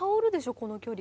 この距離。